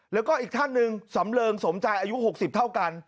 แล้วก็อีกท่านหนึ่งสำเริงสมใจอายุ๖๐เท่ากัน